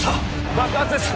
爆発です！